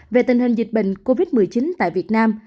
về tình hình dịch bệnh covid một mươi chín tại việt nam